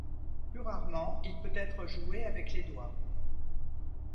Plus rarement, il peut être joué avec les doigts.